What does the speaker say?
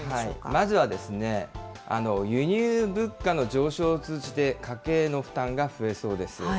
まずは輸入物価の上昇を通じて、家計の負担が増えそうです。